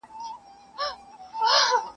توبه لرم پر شونډو ماتوې یې او که نه !.